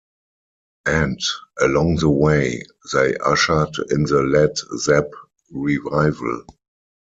And, along the way, they ushered in the Led Zep revival.